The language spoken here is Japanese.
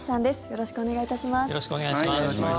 よろしくお願いします。